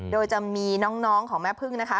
โดยจะมีน้องของแม่พึ่งนะคะ